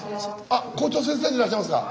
あっ校長先生でいらっしゃいますか。